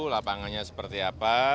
lapangannya seperti apa